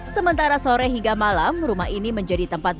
sementara sore hingga malam rumah ini menjadi tempat